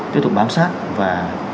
tiếp tục bám sát và